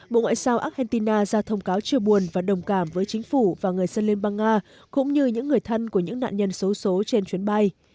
bộ ngoại giao argentina ra thông cáo chia buồn và đồng cảm với chính phủ và người dân liên bang nga cũng như những người thân của những nạn nhân xấu xố trên chuyến bay